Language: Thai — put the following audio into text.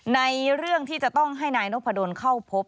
ในเรื่องที่จะต้องให้นายนพดลเข้าพบ